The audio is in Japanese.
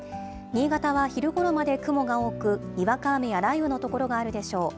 新潟は昼ごろまで雲が多く、にわか雨や雷雨の所があるでしょう。